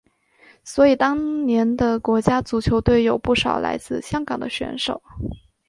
所以当年的国家足球队有不少来自香港的选手。